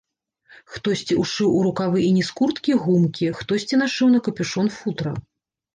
Хтосьці ўшыў у рукавы і ніз курткі гумкі, хтосьці нашыў на капюшон футра.